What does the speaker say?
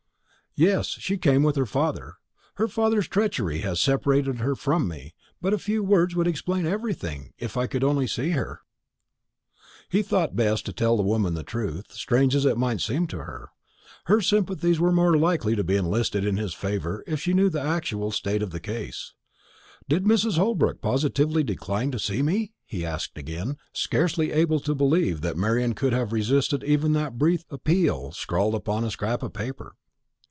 "Yes; she came with her father. Her father's treachery has separated her from me; but a few words would explain everything, if I could only see her." He thought it best to tell the woman the truth, strange as it might seem to her. Her sympathies were more likely to be enlisted in his favour if she knew the actual state of the case. "Did Mrs. Holbrook positively decline to see me?" he asked again, scarcely able to believe that Marian could have resisted even that brief appeal scrawled upon a scrap of paper.